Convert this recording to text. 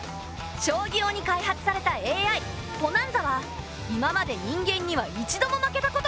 将棋用に開発されたＡＩポナンザは今まで人間には一度も負けたことがない。